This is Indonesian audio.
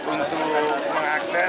untuk menghasilkan sektor petani